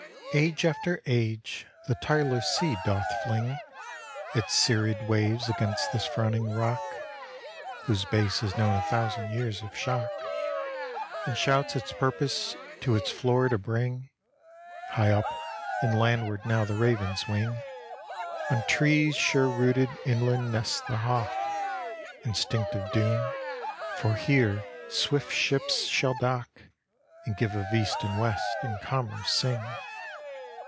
Age after age the tireless sea doth fling Its serried waves against this frowning rock, (Whose base has known a thousand years of shock,) And shouts its purpose to its floor to bring. High up and landward now the ravens wing, On trees sure rooted inland nests the hawk; Instinct of doom! for here swift ships shall dock, And give of east and west, and commerce sing.